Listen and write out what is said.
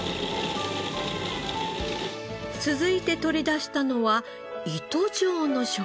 続いて取り出したのは糸状の食材。